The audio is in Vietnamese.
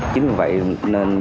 chính vì vậy nên